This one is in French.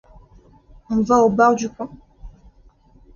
On va au bar du coin ?